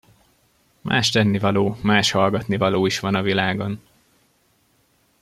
Más tennivaló, más hallgatnivaló is van a világon.